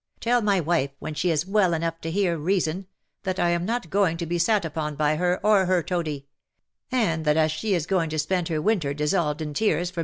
Tell my wife — when she is well enough to hear reason — that I am not going to be sat upon by her, or her toady ; and that as she is going to spend her winter dissolved in tears "dust to dust."